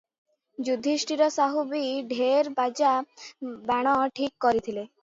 ଯୁଧିଷ୍ଠିର ସାହୁ ବି ଢେର୍ ବାଜା, ବାଣ ଠିକ କରିଥିଲେ ।